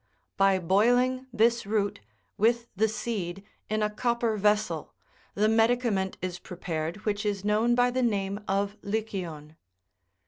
By boiling this root with the seed in a copper vessel, the medicament is prepared which is known by the name of lycion.